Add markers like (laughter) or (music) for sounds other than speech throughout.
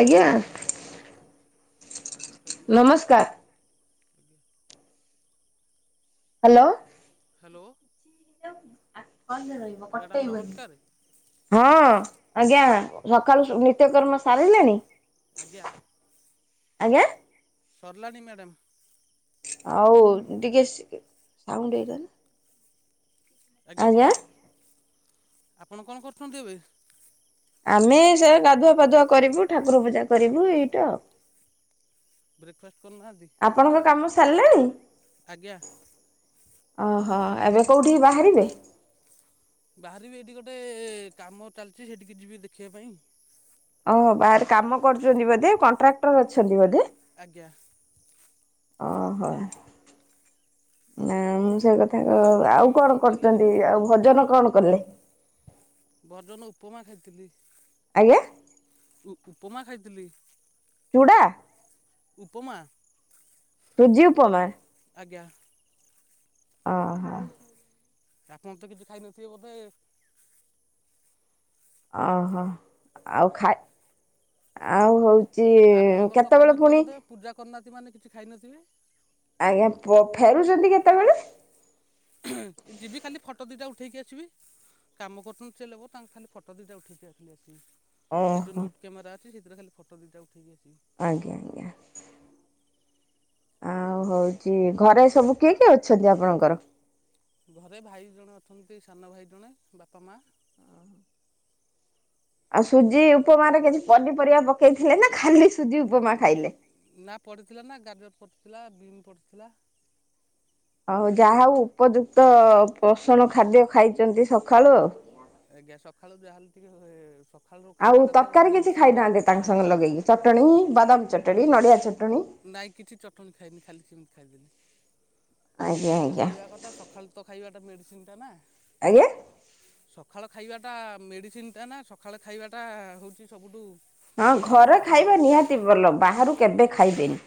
ଆଜ୍ଞା। ନମସ୍କାର ମ୍ୟାଡ଼ମ୍ ନମସ୍କାର। ଆଜ୍ଞା। ହ୍ୟାଲୋ। ହ୍ୟାଲୋ। ଆଜି କଲ୍ ରେ ରହିବ ମ୍ୟାଡ଼ାମ୍ କଟେଇ ବନି। ନମସ୍କାର ହଁ ଆଜ୍ଞା ସକାଳୁ ନିତ୍ୟକର୍ମ ସାରିଲେଣି? ଆଜ୍ଞା। ଆଜ୍ଞା। ସରିଲାଣି ମ୍ୟାଡ଼ାମ୍। ଆଉ ଟିକେ ସାଉଣ୍ଡ ଏଇଟା ନା। ଆଜ୍ଞା ଆପଣ କଣ କରୁଛନ୍ତି ଏବେ? ଆମେ ସେ ଗାଧୁଆ ପାଧୁଆ କରିବୁ ଠାକୁର ପୂଜା କରିବୁ ଏଇଟା ଆଉ। ବ୍ରେକ୍ଫାଷ୍ଟ କରନାହାନ୍ତି? ଆପଣଙ୍କ କାମ ସାରିଲାଣି? ଆଜ୍ଞା ଅ ହ ଏବେ କୋଉଠି ବାହାରିବେ? ବାହାରିବି ଏଇଠି ଗୋଟେ କାମ ଚାଲିଛି ସେଇଠିକି ଯିବି ଦେଖିବା ପାଇଁ। ଓହୋ ବାହାରେ କାମ କରୁଛନ୍ତି ବୋଧେ କଣ୍ଟ୍ରାକ୍ଟର ଅଛନ୍ତି ବୋଧେ? ଆଜ୍ଞା। ଅ ହ। ନା ମୁଁ ସେ କଥା ଆଉ କଣ କରୁଛନ୍ତି ଆଉ ଭୋଜନ କଣ କଲେ? ବଜନ ଉପମା ଖାଇଥିଲି। ଆଜ୍ଞା। ଉ ଉପମା ଖାଇଥିଲି। ଚୁଡ଼ା। ଉପମା। ସୁଜି ଉପମା। ଆଜ୍ଞା। ଅ ହ। ଆପଣ ତ କିଛି ଖାଇନଥିବେ ବୋଧେ? ଅ ହ, ଆଉ ଖାଇ ଆଉ ହଉ ଚି ଆପଣଙ୍କର ତ କେତେବେଳେ ଖାଇନଥିବେ ପୁଣି ବୋଧେ ପୂଜା କରିନାହାନ୍ତି ମାନେ କିଛି ଖାଇନଥିବେ? ଆଜ୍ଞା ଫେରୁଛନ୍ତି କେତେବେଳେ? ଯିବି ଖାଲି ଫଟୋ ଦୁଇଟା ଉଠାଇକି ଆସିବି। କାମ କରୁଛନ୍ତି ସେ ଲୋକ ତାଙ୍କ ଖାଲି ଫଟୋ ଦିଟା ଉଠେଇକି ଆସଲି ଆଶିକି। ସେ ଯୋଉ ଓହୋ ନୋଟ୍ କାମେରା ଅଛି ସେଥିରେ ଖାଲି ଫଟୋ ଦିଇଟା ଉଠେଇକି ଆସିବି। ଆଜ୍ଞା ଆଜ୍ଞା। ଆଉ ହଉଚି ଘରେ ସବୁ କିଏ-କିଏ ଅଛନ୍ତି ଆପଣଙ୍କର? ଘରେ ଭାଇ ଜଣେ ଅଛନ୍ତି, ସାନ ଭାଇ ଜଣେ, ବାପା, ମା ଆଉ ସୁଜି ଉପମାରେ କିଛି ପନିପରିବା ପକେଇଥିଲେ ନା ଖାଲି ସୁଜି ଉପମା ଖାଇଲେ? ନା ପଡିଥିଲା ନା, ଗାଜର ପଡିଥିଲା ବିମ୍ ପଡିଥିଲା ହଉ ଯାହା ହଉ ଉପଯୁକ୍ତ ପୋଷଣ ଖାଦ୍ୟ ଖାଇଚନ୍ତି ସଖାଳୁ ଆଉ। ଆଜ୍ଞା ସଖାଳୁ ଯାହା ହେଲେ ଟିକେ ସ ଆଉ ତରକାରୀ କିଛି ଖାଇନାହାନ୍ତି ତାଙ୍କ ସାଙ୍ଗରେ ଲଗେଇକି ଚଟଣି, ବାଦାମ ଚଟଣି, ନଡ଼ିଆ ଚଟଣି ନାଇଁ କିଛି ଚଟଣି ଖାଇନି ଖାଲି ସେମ୍ତି ଖାଇଦେଲି, ଆଜ୍ଞା ସଖାଳୁ ଟିକେ ଆଜ୍ଞା ଖାଇବା କଥା ସ ଖାଲ୍ ତ ଖାଇବାଟା ମେଡିସିନ୍ ଟା ନା। ଆଜ୍ଞା? ସଖାଳ ଖାଇବା ଟା ମେଡିସିନ୍ ଟା ନା, ସଖାଳ ଖାଇବା ଟା ହଉଚି ସବୁଠୁ ହଁ ଘରେ ଭଲ ଖାଇବା ନିହାତି ଭଲ, ବାହାରୁ କେବେ ଖାଇବେନି।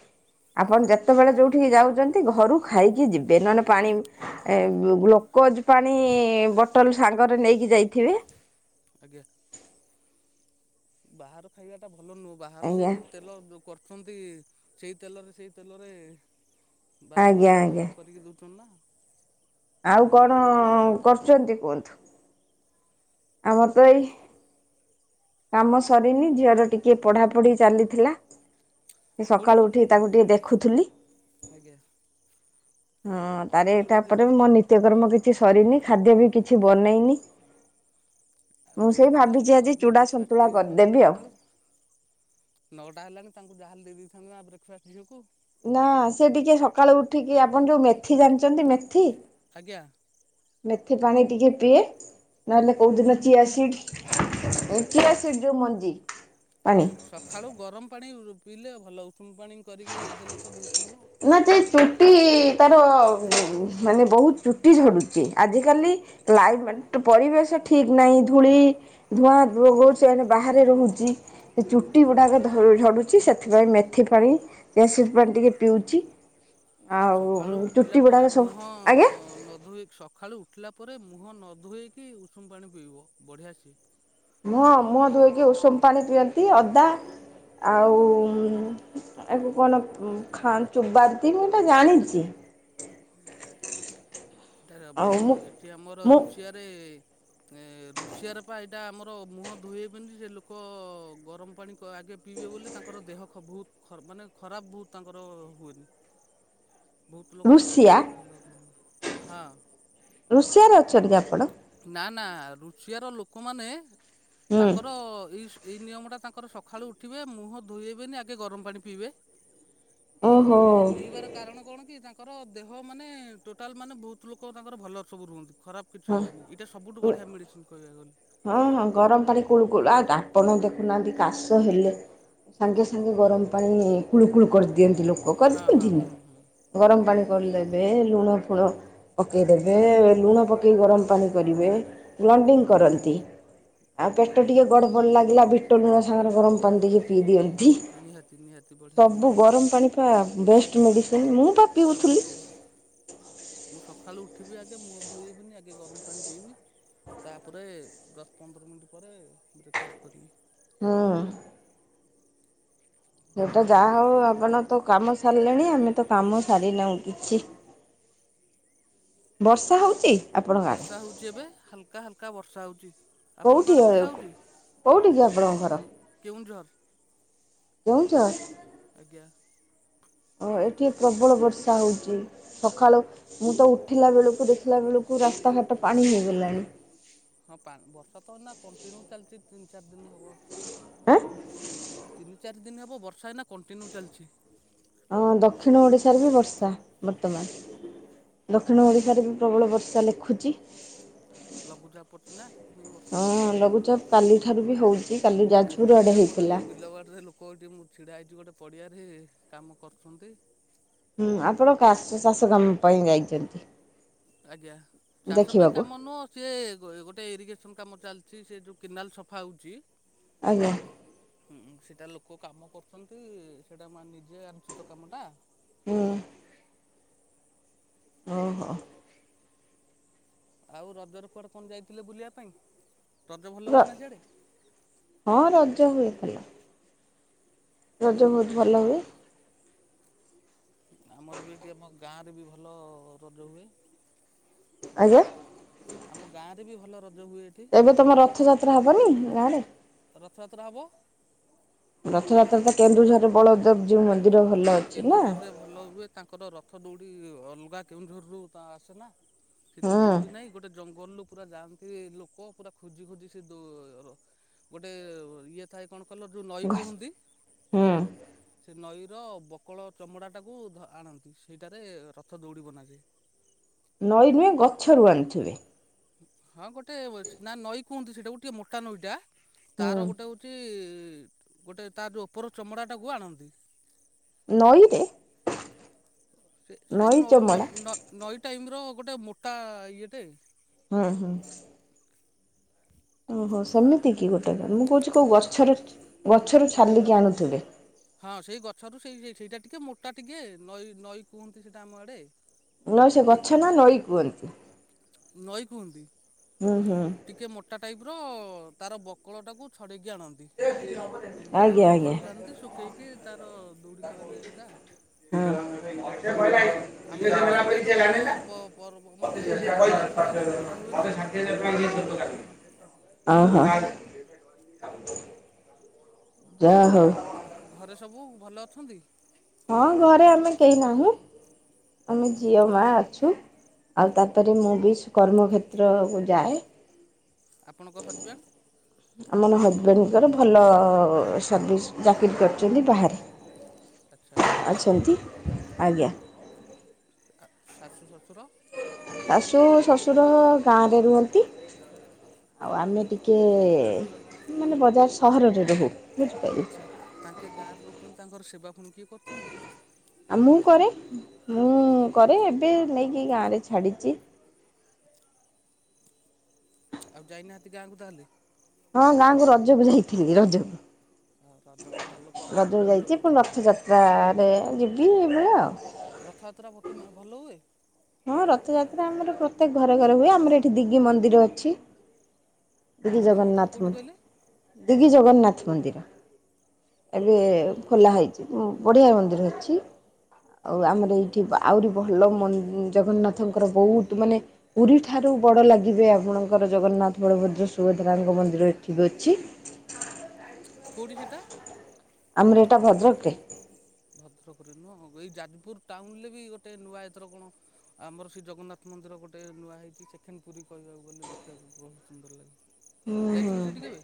ଆପଣ ଯେତେବେଳେ ଯୋଉଠିକି ଯାଉଚନ୍ତି ଘରୁ ଖାଇକି ଯିବେ, ନହେନେ ପାଣି ଏ ଗ୍ଲୋ କୋଜ୍ ପାଣି ବୋଟଲ୍ ସାଙ୍ଗରେ ନେଇକି ଯାଇଥିବେ ଆଜ୍ଞା। ବାହାର ଖାଇବା ଟା ଭଲ ନୁହଁ, ବାହାର ସେ ଆଜ୍ଞା ଯୋଉ ତେଲ କରୁଚନ୍ତି ସେଇ ତେଲରେ ସେଇ ତେଲରେ ଆଜ୍ଞା ବାରମ୍ବାର ଆଜ୍ଞା କରିକି ଦଉଚନ୍ତି ନା। ଆଉ କଣ କରୁଚନ୍ତି କୁହନ୍ତୁ? ଆମର ତ ଏଇ କାମ ସରିନି, ଝିଅର ଟିକେ ପଢାପଢି ଚାଲିଥିଲା। ଏ କେଉଁଠି ସକାଳୁ ଉଠିକି ପଢ଼ୁଛନ୍ତି ତାକୁ ଟିକେ ଦେଖୁଥିଲି। ଆଜ୍ଞା। ହଁ ତାରେ ସ୍କୁଲ ବୋଧେ ତାପରେ ଯିବେ ମୋ ନିତ୍ୟକର୍ମ କିଛି ସରିନି, ଖାଦ୍ୟ ବି କିଛି ବନେଇନି। ଆଉ ମୁଁ ସେଇ ଝିଅଙ୍କୁ ଯାହାହେଲେ ଭାବିଚି ଆଜି କରିକି ଚୂଡ଼ା ବ୍ରେକ୍ଫାଷ୍ଟ ସନ୍ତୁଳା ଦେଇ ଦେଇଥାନ୍ତ ନା କରିଦେବି ଆଉ। ସକାଳୁ ନଅଟା ହେଲାଣି ତାଙ୍କୁ ଯାହାଲେ ଦେଇ ଦେଇଥାନ୍ତ ନା ବ୍ରେକ୍ ଫାଷ୍ଟ୍ ଝିଅକୁ। ନା ସେ ଟିକେ ସକାଳୁ ଉଠିକି ଆପଣ ଯୋଉ ମେଥି ଜାଣିଚନ୍ତି ମେଥି? ଆଜ୍ଞା। ମେଥି ପାଣି ଟିକେ ପିଏ, ନହେଲେ କେଉଁଦିନ ଚିଆ ସିଡ୍ସ୍ ଚିଆ ସିଡ୍ ଯୋଉ ମଞ୍ଜି ପାଣି ଆଜ୍ଞା ସଖାଳୁ ଗରମ୍ ପାଣି ପିଇଲେ ଭଲ ଉଷୁମ୍ ପାଣି କରିକି ଦେଲେ ତ ବହୁତ୍ ଭଲ, ନା ସେ ସେଇ ଚୁଟି ତାର ମାନେ ବହୁତ୍ ଚୁଟି ଝଡ଼ୁଚି, ଆଜିକାଲି ଲାଇଫ୍ ମାନେ ପରିବେଶ ଠିକ ନାହିଁ, ଧୂଳି ଧୂଆଁ (unintelligible) ଏଣେ ବାହାରେ ରହୁଚି। ସେ ଚୁଟି ଗୁଡାକ ଧ ଝଡୁଚି, ସେଥିପାଇଁ ମେଥି ପାଣି ଚିଆ ସିଡ୍ ପାଣି ଟିକେ ପିଉଚି। ସଖାଳୁ ଉଠିଲା ପରେ ସବୁ ମୁହଁ ଆଜ୍ଞା ନଧୋଇ ସଖାଳୁ ଉଠିଲା ପରେ ମୁହଁ ନ ଧୋଇକି ଉଷୁମ୍ ପାଣି ପିଇବ, ବଢ଼ିଆ ସିଏ। ମୁଁହଁ-ମୁହଁ ଧୋଇକି ଉଷୁମ୍ ପାଣି ପିଅନ୍ତି, ଅଦା ଆଉ ଉଁ ଆକୁ କଣ ଖା ଚୁବାନ୍ତି, ମୁଁ ଏଇଟା ଜାଣିଚି। ଆଉ ମୁଁ (unintelligible) ଏଠି ଆମର ମୁଁ ରୁଷିଆରେ ଏ ରୁଷିଆରେ ପା ଏଇଟା ଆମର ମୁହଁ ଧୋଇହେବେନି, ସେ ଲୋକ ଗରମ୍ ପାଣି କ ଆଗେ ପିଇବେ ବୋଲି ତାଙ୍କର ଦେହ ଖ ବହୁତ୍ ମାନେ ଖରାପ୍ ବହୁତ୍ ତାଙ୍କର ହୁଏନି। ବୋହୁତ ଲୋକ ତାଙ୍କର ରୁଷିଆ ଭଲ ରୁହନ୍ତି ହଁ। ଋଷିଆରେ ଅଛନ୍ତି ଆପଣ। ନା ନା ଋଷିଆର ଲୋକମାନେ ହୁଁ ତାଙ୍କର ଏଇ ସ ଏଇ ନିୟମଟା ତାଙ୍କର ସଖାଳୁ ଉଠିବେ ମୁହଁ ଧୋଇହେବେନି ଆଗେ ଗରମ ପାଣି ପିଇବେ ଓହୋ ପି ପିଇବାର କାରଣ କଣ କି ତାଙ୍କର ଦେହ ମାନେ ଟୋଟାଲ ମାନେ ବହୁତ ଲୋକ ତାଙ୍କର ଭଲ ସବୁ ରୁହନ୍ତି ଖରାପ କିଛି ହଁ ହୁଏନି ଏଇଟା ସବୁଠୁ ବଢିଆ ମେଡିସିନ କହିବାକୁ ଗଲେ। ହଁ ହଁ ଗରମ ପାଣି କୁଳୁ କୁଳ ଆପଣ ଦେଖୁନାହାନ୍ତି କାଶ ହେଲେ ସାଙ୍ଗେ ସାଙ୍ଗେ ଗରମ ପାଣି କୁଳୁ କୁଳୁ କରିଦିଅନ୍ତି ଲୋକ। ହଁ ହଁ ହଁ ହଁ (unintelligible) ଗରମ ପାଣି ନିହାତି କରିଦେବେ ଲୁଣ ଫୁଣ ପକେଇଦେବେ ଲୁଣ ପକେଇ ଗରମ ପାଣି କରିବେ ଲଣ୍ଡିଙ୍ଗ କରନ୍ତି। ତି ଆଉ ପେଟ ଟିକେ ଗଡ଼ ବଡ଼ ଲାଗିଲା ବିଟ ଲୁଣ ସାଙ୍ଗରେ ଗର ପାଣି ଟିକିଏ ପିଇ ଦିଅ ଧି ନିହାତି ନିହାତି ବଢ଼ିଆ ସବୁ ଜିନିଷ ସିଏ। ଗରମ ପାଣି ପା ବେଷ୍ଟ ମେଡ଼ିସିନ ମୁଁ ପା ପିଉଥିଲି ସବୁଟୁ। ମୁଁ ସଖାଳୁ ଉଠିବି ଆଗେ ମୁଁହ ଧୋଇବିନି ଆଗେ ଗରମ ପାଣି ପିଇବି। ତାପରେ ଦଶ ପନ୍ଦର ମିନିଟ୍ ପରେ ବ୍ରେକ୍ ଫାଷ୍ଟ କରିବି। ହୁଁ। ସେତ ଯାହା ହଉ ଆପଣ ତ କାମ ସାରିଲେଣି ଆମେ ତ କାମ ସାରିନାହୁଁ କିଛି। ବର୍ଷା ହଉଚି? ବର୍ଷା ହୋଉଚି ଏବେ ହାଲକା ହାଲକା ବର୍ଷା ହୋଉଚି। କୋଉଠିଏ କୋଉଠିକିି ଆପଣଙ୍କ ଘର? କେଉଁଝର ଦୋଉଚ। ଆଜ୍ଞା। ଓ ଏଠି ପ୍ରବଳ ବର୍ଷା ହୋଉଚି। ସଖାଳୁ ମୁଁ ତ ଉଠିଲା ବେଳକୁ ଦେଖିଲା ବେଳକୁ ରାସ୍ତାଘାଟ ପାଣି ହେଇଗଲାଣି। ହଁ ପାନ ବର୍ଷା ତ ଏନା କଣ୍ଟିନିୟୁ ଚାଲିଚି ତିନି ଚାରି ଦିନ ହବ। ଆଁ। ତିନି ଚାରି ଦିନି ହବ ବର୍ଷାଏଇନା କଣ୍ଟିନିୟୁ ଚାଲିଚି। ଆମ ଦକ୍ଷିଣ ଓଡ଼ିଶାରେ ବି ବର୍ଷା ବର୍ତ୍ତମାନ। ଦକ୍ଷିଣ ଓଡ଼ିଶାରେ ବି ପ୍ରବଳ ବର୍ଷା ଲେଖୁଚି। ଲଘୁଚାପ୍‌ ପରଚିନା। ସେଥିପାଇ ବର୍ଷା ହଁ ହଉଚି ଆଉ ଲଘୁଚାପ କାଲିଠାରୁ ବି ହେଉଛି କାଲି ଯାଜପୁର ଆଡ଼େ ଚାଲିଛନ୍ତି ଆମର ହେଇଥିଲା ଏଟି ବିଲବାଡ଼ରେ ଲୋ କୋଉଟି ମୁଁ ଛିଡ଼ା ହେଇଚି ଗୋଟେ ପଡ଼ିଆରେ କାମ କରୁଚନ୍ତି। ହୁଁ ଆପଣ କାଶ ଚାଷ କାମ ପାଇଁ ଯାଇଚନ୍ତି। ଆଜ୍ଞା ଚାଷ ପାଇଁ କାମ ନୁଅଁ ସେ ଗୋଟେ ଏରିଗେସନ୍ କାମ ଚାଲିଚି ସେ ଯୋ କେନାଲ ସଫା ହଉଚି। ଆଜ୍ଞା। ହୁଁ ସେଟା ଲୋକ କାମ କରୁଚନ୍ତି ସେଟା ମା ନିଜେ ଆଣିଚୁ ତ କାମଟା? ଉଁ। ଓହୋ। ଆଉ ରଜରେ କୁଆଡ଼େ କଣ ଯାଇଥିଲେ ବୁଲିବା ପାଇଁ ରଜ ଭଲ ହୁଏନା ସିଆଡ଼େ? ହଁ ରଜ ହୁଏ ଭଲ। ରଜ ବୋହୁତ ଭଲ ହୁଏ। ଆମର ବି ଏଠି ଆମ ଗାଁରେ ବି ଭଲ ରଜ ହୁଏ। ଆଜ୍ଞା। ଆମ ଗାଁ ରେ ବି ଭଲ ରଜ ହୁଏ। ଏଠି ଏବେ ତୋମ ରଥଯାତ୍ରା ହବନି ଗାଁରେ? ରଥଯାତ୍ରା ହବ। ରଥଯାତ୍ରା ତ କେନ୍ଦୁଝର ରେ ବଳଦେବ ଯୀଉ ମନ୍ଦିର ଭଲ। ଅଛି ନା କେନ୍ଦୁଝରରେ ଭଲ ହୁଏ ତାଙ୍କର ରଥ ଦୌଡ଼ି ଅଲଗା କେଉଁଝରରୁ ତା ଆସେନା। ସେ ଯୋଉ ହୁଁ। ଦୌଡି ନାହିଁ, ଗୋଟେ ଜଙ୍ଗଲରୁୁ ପୁରା ଯାଆନ୍ତି ଲୋକ ପୁରା ଖୋଜି ଖୋଜି ସେ ଦୋ ହୋ ଗୋଟେ ଇଏ ଥାଏ କଣ କଲ ଯୋଉ ନଈ କୁହନ୍ତି? ହୁଁ ସେ ନଈର ବ କଳ ଚମଡ଼ାଟାକୁ ଧ- ଆଣନ୍ତି। ସେଇଟାରେ ରଥ ଦୌଡ଼ି ବନାଯାଏ। ନଈ ନୁହେଁ ଗଛରୁ ଆଣିଥିବେ। ହଁ ଗୋଟେ ଓ ସେ ନା ନଈ କୁହନ୍ତି ସେଇଟା ଗୋଟିଏ ମୋଟା ନଈଟା ହୁଁ। ତାର ଗୋଟେ ହଉ ଚି ଗୋଟେ ତା ଯୋଉ ଉପର ଚମଡ଼ାଟାକୁ ଆଣନ୍ତି। ନଈରେ? ସେ ସେ ନଈ ନ- ନ ଚମଡ଼ା -ନ- ନଈ ଟାଇମ୍ ର ଗୋଟେ ମୋଟା ଇଏଟେ। ହଁ, ହୁଁ। ଓହୋ, ସେମିତି କି ଗୋଟେ କା। ମୁଁ କହୁଛି କୋଉ ଗଛର ଗଛରୁ ଛାଲିକି ଆଣୁଥିବେ। ହଁ, ସେଇ ଗଛ ରୁ ସେଇ ସେଇଟା ଟିକେ ମୋଟା ଟିକେ ନଈ ନଈ କୁହନ୍ତି ସେଟା ଆମ ଆଡେ। ନଈ ସେ ଗଛ ନାଁ ନଈ କୁହନ୍ତି। ନଈ କୁହନ୍ତି। ହୁଁ, ହୁଁ। ଟିକେ ମୋଟା ଟାଇପ୍ ର। ତାର ବକ୍ଳଟାକୁ ଛଡ଼େଇକି ଆଣନ୍ତି। ଆଜ୍ଞା ଆଣିକି ଆଜ୍ଞା ଶୁଖାନ୍ତି, ଶୁଖେଇକି ତାର ଦୌଡି କରାଯାଏ ସେଟା। ଆମର ଏଠି କେଉଁଝର ରେ ଭଲ ହୁଁ। ପ-ପର୍ବ ମାନେ ରଥଯାତ ତ୍ରା କହିବାକୁ ଗଲେ ବଢିଆ ହୁଏ ନା। ଓହୋ। ହଁ। ଯା ହଉ ଘରେ ସବୁ ଭଲ ଅଛନ୍ତି? ହଁ ଘରେ ଆମେ କେହି ନାହୁଁ। ଆମେ ଝିଅ ମା ଅଛୁ, ଆଉ ତାପରେ ମୁଁ ବି ସୁ କର୍ମକ୍ଷେତ୍ରକୁ ଯାଏ। ଆପଣଙ୍କ ହଜବେଣ୍ଡ? ଆମର ହଜବେଣ୍ଡ ଙ୍କର ଭଲ ସର୍ଭିସ୍ ଚାକିରି କରିଚନ୍ତି ବାହାରେ। ଆଚ୍ଛା ଭଲ ଆଉ। ଅଛନ୍ତି ଆଜ୍ଞା। ଆ, ଶାଶୁ ଶଶୁର? ଶାଶୁ ଶ୍ୱଶୁର ଗାଁରେ ରୁହନ୍ତି। ଆଉ ଆମେ ଟିକେ ମାନେ ବଜାର ସହରରେ ରହୁ। ବୁଝିପାରିଲେ। ଆଚ୍ଛା, ତାଙ୍କେ ଗାଁରେ ରହୁଚନ୍ତି ତାଙ୍କର ସେବା ପୁଣି କିଏ କରୁଛନ୍ତି? ଆ, ମୁଁ କରେ, ମୁଁ କରେ, ଏବେ ନେଇକି ଗାଁରେ ଛାଡ଼ିଚି। ଆଉ ଯାଇନାହାନ୍ତି ଗାଁକୁ ତାହେଲେ? ହଁ ଗାଁକୁ ରଜକୁ ଯାଇଥିଲି ରଜକୁ। ଆଉ ରଜ ତ ଭଲ ପର୍ବ ଗଜକୁ ବୁଲିକି ଯାଇଚି, ପୁଣି ଆସିଥିବେ ରଥଯାତ୍ରରେ ଯିବି ଏଇଭଳିଆ ଆଉ। ରଥଯାତ୍ରା ଭ-କିମି ଭଲ ହୁଏ? ହଁ ଗାଁରେ ରଥଯାତ୍ରା ଆମର ପ୍ରତ୍ୟେକ ଘରେ ଘରେ ହୁଏ। ଆମର ଏଠି ଦିଗି ମନ୍ଦିର ଅଛି। ଦିଗି ବିକି ମନ୍ଦିର ଜଗନ୍ନାଥ କୋଉଠି ମନ୍ଦି, କହିଲେ ଦିଗି ଜଗନ୍ନାଥ ମନ୍ଦିର। ଏବେ ଖୋଲା ହେଇଛି ଉଁ, ବଢ଼ିଆ ମନ୍ଦିର ଅଛି। ଆଉ ଆମର ଏଇଠି ବ ଆହୁରି ଭଲ ମ ଜଗନ୍ନାଥଙ୍କର ବହୁତ ମାନେ ପୁରୀ ଠାରୁ ବଡ ଲାଗିବେ ଆପଣଙ୍କର ଜଗନ୍ନାଥ ବଳଭଦ୍ର ସୁଭଦ୍ରାଙ୍କ ମନ୍ଦିର ଏଠି ବି ଅଛି। (inaudible) କଉଠି ସେଟା? ଆମର ଏଟା ଭଦ୍ରକରେ। ଭଦ୍ରକରେ ନୁହଁ ଗ ଏଇ ଯାଜପୁର ଟାଉନ ରେ ବି ଗୋଟେ ନୂଆଁ ଏଥର କଣ ଆମର ସେ ଜଗନ୍ନାଥ ମନ୍ଦିର ଗୋଟେ ନୂଆ ହେଇଛି ସେକେଣ୍ଡ ପୁରୀ କହିବାକୁ ଗଲେ ଦେଖିବାକୁ ବହୁତ ସୁନ୍ଦର ଲାଗେ। ହୁଁ ହୁଁ ଯାଇଛନ୍ତି ସେଠି କେବେ?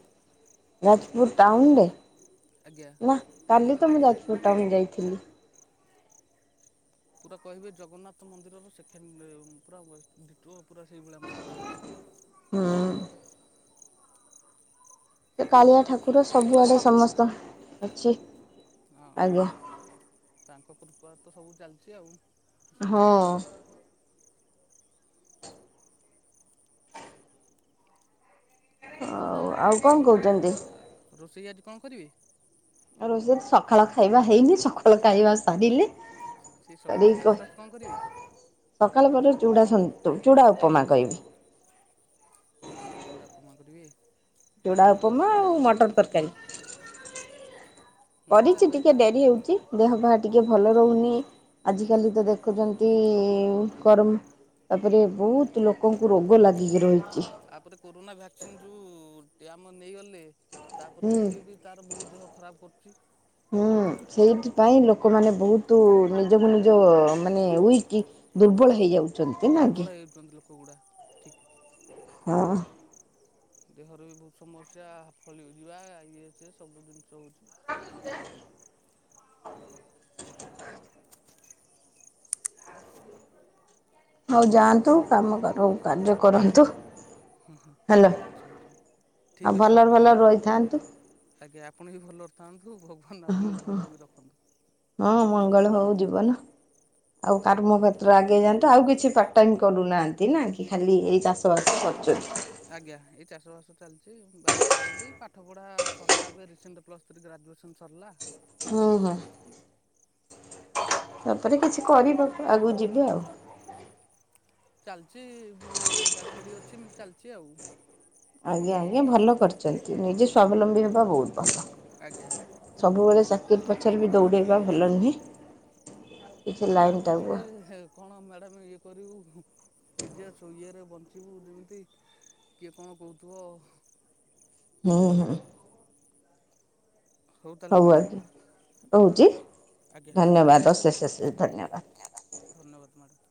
ଯାଜପୁର ଟାଉନ ରେ? ଆଜ୍ଞା। ନାଁ କାଲି ତ ମୁଁ ଯାଜପୁର ଟାଉନ୍ ଯାଇଥିଲି। ପୁରା କହିବେ ଜଗନ୍ନାଥ ମନ୍ଦିରର ସେଖେଣ୍ଡେ ପୁରା ଡିଟୋ ପୁରା ସେଇଭଳିଆ ମନ୍ଦିର ହେଇଛି। ହୁଁ। ସେ କାଳିଆ ଠାକୁର ସବୁଆଡ଼େ ସମସ୍ତ ଅଛି। ହଁ ଆଜ୍ଞା। ତାଙ୍କ କୃପାରୁ ତ ସବୁ ଚାଲିଛି ଆଉ। ହଁ। ଇଉ ଆଉ କଣ କହୁଛନ୍ତି? ଆ ରୋଷେଇ ଆଜି କଣ କରିବେ? ଆଉ ରୋଷେଇ ସକାଳ ଖାଇବା ହେଇନି ସକାଳ ଖାଇବା ସାରିଲେ ସେ ସକାଳୁ କରିକି କ ବ୍ରେକ୍ ଫାଷ୍ଟ କଣ କରିବେ? ସକାଳ ପରେ ଚୁଡ଼ାସନ୍ତୁ ଚୁଡ଼ା ଉପମା କହିବି। ଚୁଡ଼ା ଉପମା କରିବେ? ଚୁଡ଼ାଉପମା ଆଉ ମଟର ତରକାରୀ। ହୁଁ ତା କରିଚି ପାଇଁ ଟିକେ ଯାହାହେଲେ ଡେରି ହେଉଚି। ଦେହ ପାହା ଟିକେ ଭଲ ରହୁନି ଆଜିକାଲି ତ ଦେଖୁଛନ୍ତି କରମ ତାପରେ ବହୁତ ଲୋକଙ୍କୁ ରୋଗ ଲାଗିକି ରହିଚି। ତାପରେ କୋରୋନା ଭ୍ୟାକ୍ସିନ୍ ଯେଉଁ ଟି ଆମ ନେଇଗଲେ ତାପରେ ବି ହୁଁ ସିଏ ବି ତାର ବହୁତ ଦେହ ଖରାପ କରୁଛି। ହୁଁ ସେଇଥିପାଇଁ ଲୋକମାନେ ବହୁତ ନିଜକୁ ନିଜ ମାନେ ଉଇକି ଦୁର୍ବଳ ହେଇଯାଉ ଦୁର୍ବଳ ହେଉଛନ୍ତି ଲୋକଗୁଡ଼ା। ହଁ। ଦେହର ବି ବହୁତ ସମସ୍ୟା ଫଳି ଯିବା ଇଏ ସିଏ ସବୁ ଜିନିଷ ହଉଛି। (unintelligible) ହଉ ଯାଆନ୍ତୁ କାମ କର କାର୍ଯ୍ୟ କରନ୍ତୁ। ହ୍ୟାଲୋ ଠିକ୍ ଅଛି ମ୍ୟାଡ଼ାମ୍ ଆଉ ଠିକ୍ ଅଛି ଭଲରେ ମ୍ୟାଡ଼ାମ୍ ଭଲରେ ରହିଥାନ୍ତୁ। ଆଜ୍ଞା ଆପଣ ବିି ଭଲରେ ଥାନ୍ତୁ ଭଗ ହ ହ ହଁ ମଙ୍ଗଳ ହଉ ଯିବନ। ଆଉ କାର୍ମଯେତ୍ର ଆଗେଇ ଯାଆନ୍ତୁ ଆଉ କିଛି ପାର୍ଟ ଟାଇମ କରୁନାହାଁନ୍ତି ନା କି ଖାଲି ଏଇ ଚାଷ ଶ ବାସ କରୁଛନ୍ତି। ଆଜ୍ଞା ଏଇ ଚାଷ ବାସ ଚାଲିଛି ବାପା କରନ୍ତି ପାଠ ପଢା ସରିଲା ଏବେ ରିସେଣ୍ଟ ପ୍ଲସ୍ ସରି ଗ୍ରାଜୁଏସନ୍ ସରିଲା। ହଁ ହଁ। ତାପରେ କିଛି କରିବ ଆଗକୁ ଯିବେ ଆଉ। ଚାଲିଛି ବି ଗାଡ଼ି ଫାଡ଼ି ଅଛି ଏମିତି ଚାଲିଛି ଆଉ। ଆଜ୍ଞା ଆଜ୍ଞା ଭଲ କରିଛନ୍ତି ନିଜେ ସ୍ୱାବଲମ୍ବୀ ହେବା ବହୁତ ଭଲ ଆଜ୍ଞା ସବୁବେଳେ ଚାକିରି ପଛରେ ବି ଦୌଡେଇବା ଭଲ ନୁହେଁ କିଛି କା ଲାଇନ୍ ଟାକୁ ପଛରେ କଣ ମ୍ୟାଡ଼ାମ ଇଏ କରିବୁ ନିଜେ ଇଏରେ ବଞ୍ଚିବୁ ଯେମିତି କିଏ କଣ କହୁଥିବ ହଁ ହଁ ତାହେଲେ ହଉ ମ୍ୟାଡ଼ାମ୍ ଆଜ୍ଞ ରହୁଛି ଆଜ୍ଞା ଧନ୍ୟବାଦ ଅଶେଷ ଅଶେଷ ଧନ୍ୟବାଦ ଧନ୍ୟବାଦ ମ୍ୟାଡ଼ାମ